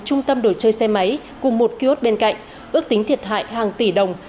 trung tâm đồ chơi xe máy cùng một kiosk bên cạnh ước tính thiệt hại hàng tỷ đồng